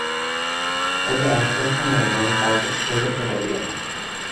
তবে আসবার সময় যেন কাউকে ঠেলে ফেলে দিও না।